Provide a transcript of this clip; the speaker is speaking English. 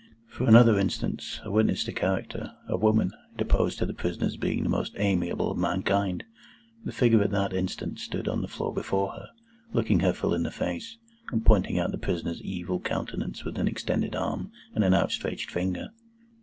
For another instance: a witness to character, a woman, deposed to the prisoner's being the most amiable of mankind. The figure at that instant stood on the floor before her, looking her full in the face, and pointing out the prisoner's evil countenance with an extended arm and an outstretched finger.